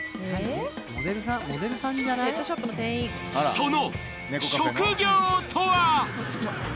その職業とは？